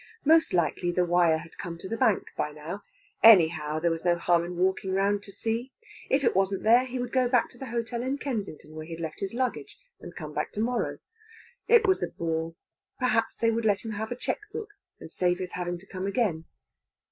Most likely the wire had come to the Bank by now; anyhow, there was no harm in walking round to see. If it wasn't there he would go back to the hotel at Kensington where he had left his luggage, and come back to morrow. It was a bore. Perhaps they would let him have a cheque book, and save his having to come again.